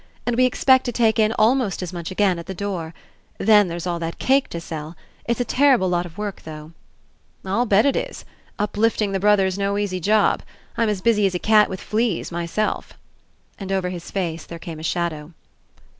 And we expect to take in almost as much again at the door. Then, there's all that cake to sell. It's a terrible lot of work, though." "I'll bet it is. Uplifting the brother's no easy job. I'm as busy as a cat with fleas, my self." And over his face there came a shadow.